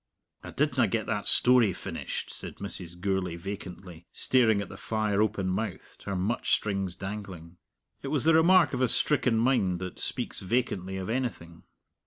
"I didna get that story finished," said Mrs. Gourlay vacantly, staring at the fire open mouthed, her mutch strings dangling. It was the remark of a stricken mind that speaks vacantly of anything.